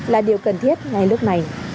là điều cần thiết ngay lúc này